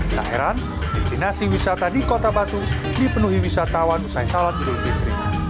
tak heran destinasi wisata di kota batu dipenuhi wisatawan usai salat idul fitri